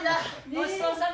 ごちそうさま。